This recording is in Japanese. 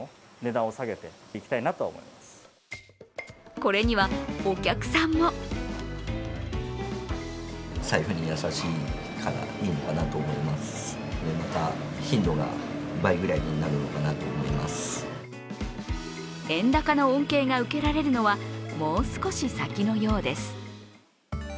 これにはお客さんも円高の恩恵が受けられるのはもう少し先のようです。